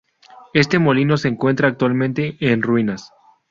Este molino se encuentra actualmente en ruinas.